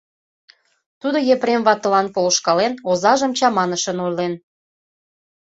Тудо Епрем ватылан полышкален, озажым чаманышын ойлен.